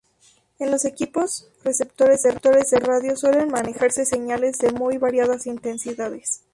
En los equipos receptores de radio suelen manejarse señales de muy variadas intensidades.